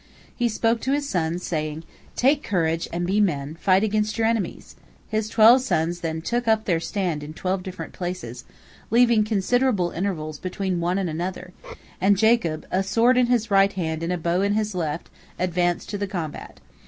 He spoke to his sons, saying, "Take courage and be men, fight against your enemies." His twelve sons then took up their stand in twelve different places, leaving considerable intervals between one and another, and Jacob, a sword in his right hand and a bow in his left, advanced to the combat.